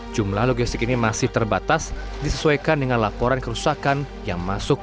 jumlah logistik ini masih terbatas disesuaikan dengan laporan kerusakan yang masuk